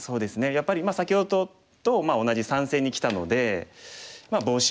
やっぱり先ほどと同じ３線にきたのでボウシをする。